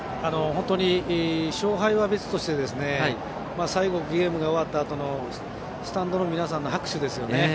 本当に勝敗は別として最後、ゲームが終わったあとのスタンドの皆さんの拍手ですよね。